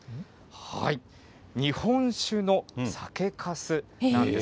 日本酒の酒かすなんです。